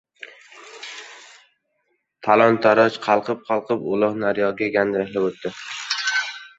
Tarlon qalqib-qalqib, uloq naryog‘iga gandiraklab o‘tdi.